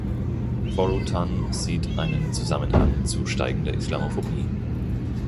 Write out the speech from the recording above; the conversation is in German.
Foroutan sieht einen Zusammenhang zu steigender Islamophobie.